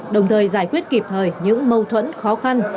đồng thời giải quyết kịp thời những mâu thuẫn khó khăn